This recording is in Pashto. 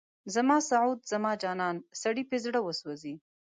زما سعود، زما جانان، سړی په زړه وسوځي